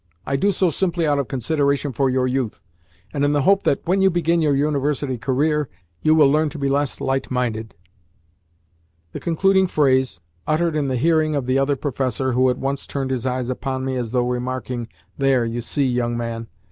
I do so simply out of consideration for your youth, and in the hope that, when you begin your University career, you will learn to be less light minded." The concluding phrase, uttered in the hearing of the other professor (who at once turned his eyes upon me, as though remarking, "There! You see, young man!")